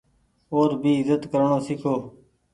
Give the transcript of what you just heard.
او ر ڀي ايزت ڪرڻو سيکو۔